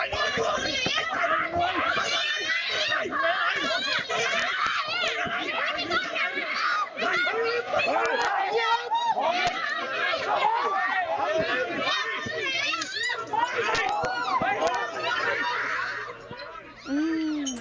ด้วย